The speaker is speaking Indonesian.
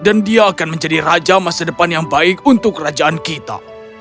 dan dia akan menjadi raja masa depan yang baik untuk kerajaan kita